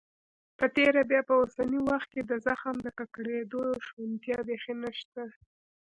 په تیره بیا په اوسني وخت کې د زخم د ککړېدو شونتیا بيخي نشته.